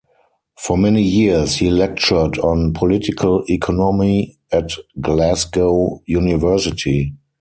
For many years, he lectured on political economy at Glasgow University.